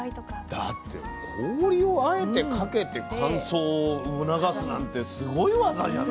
だって氷をあえてかけて乾燥を促すなんてすごい技じゃない？